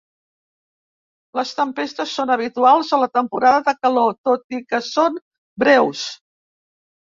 Les tempestes són habituals a la temporada de calor, tot i que són breus.